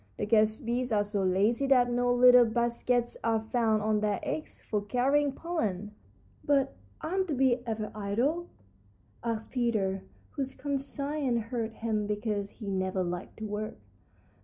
The guest bees are so lazy that no little baskets are found on their legs for carrying pollen." "But aren't the bees ever idle?" asked Peter, whose conscience hurt him because he never liked to work.